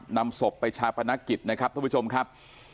นำศพไปชาปนกิจนะครับท่านผู้ชมครับ